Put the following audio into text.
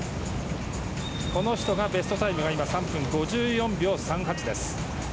この人がベストタイム３分５４秒３８です。